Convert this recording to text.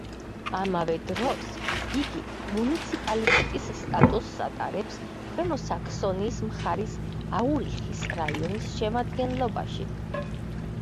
ამავე დროს, იგი მუნიციპალიტეტის სტატუსს ატარებს ქვემო საქსონიის მხარის აურიხის რაიონის შემადგენლობაში.